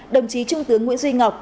đồng chí trung tướng nguyễn duy ngọc